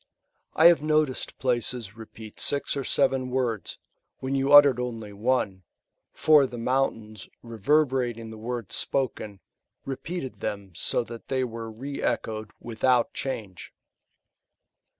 I have noticed places repeat sii or seven words, when you uttered only one ; for the moun tains, reverberating the words spoken, repeated them so that they were re echoed ' without change.